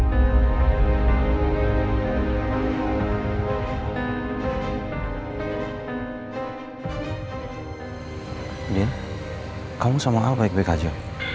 andin kamu sama al baik baik aja